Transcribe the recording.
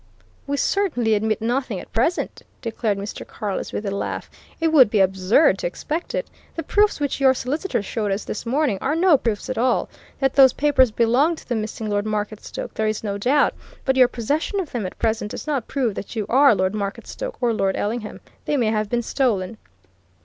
"We certainly admit nothing, at present!" declared Mr. Carless with a laugh. "It would be absurd to expect it. The proofs which your solicitors showed us this morning are no proofs at all. That those papers belonged to the missing Lord Marketstoke there is no doubt, but your possession of them at present does not prove that you are Lord Marketstoke or Lord Ellingham. They may have been stolen!"